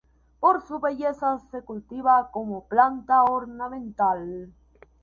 Por su belleza se cultiva como planta ornamental.